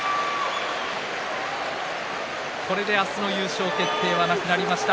これで明日の優勝決定はなくなりました。